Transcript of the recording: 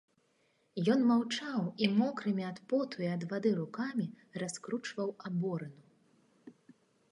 Ён маўчаў і мокрымі ад поту і ад вады рукамі раскручваў аборыну.